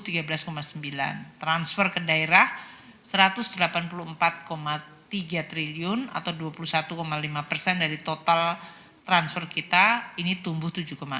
dan transfer ke daerah satu ratus delapan puluh empat tiga triliun atau dua puluh satu lima persen dari total transfer kita ini tumbuh tujuh enam